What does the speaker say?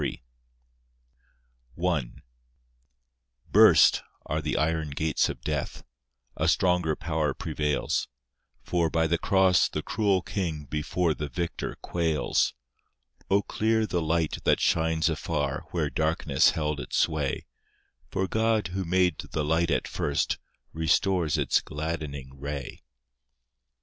I Burst are the iron gates of death— A stronger power prevails; For, by the cross, the cruel king Before the Victor quails, O clear the light that shines afar, Where darkness held its sway, For God, who made the light at first, Restores its gladdening ray.